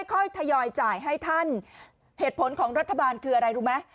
ค่อยทยอยจ่ายให้ท่านเหตุผลของรัฐบาลคืออะไรรู้ไหม